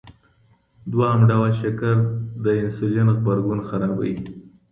دویم ډول شکر د انسولین غبرګون خرابوي.